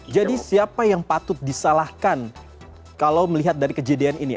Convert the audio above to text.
jadi siapa yang patut disalahkan kalau melihat dari kejadian ini